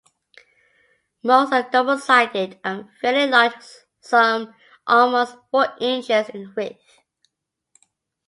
Most are double-sided and fairly large-some almost four inches in width.